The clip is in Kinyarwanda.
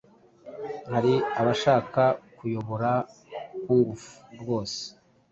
Hari abashaka kuyobora kungufu rwose